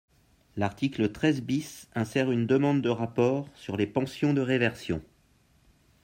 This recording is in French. L’article treize bis insère une demande de rapport sur les pensions de réversion.